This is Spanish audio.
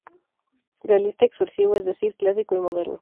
Realista expresivo, es decir, clásico y moderno.